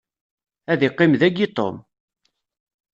Ad iqqim dagi Tom.